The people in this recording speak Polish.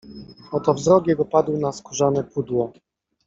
Oto wzrok jego padł na skórzane pudło.